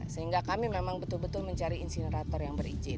sehingga kami memang betul betul mencari insinerator yang berizin